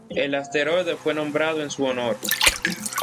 El asteroide fue nombrado en su honor.